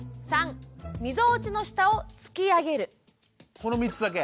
この３つだけ？